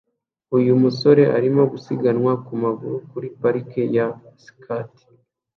Uyu musore arimo gusiganwa ku maguru kuri parike ya skate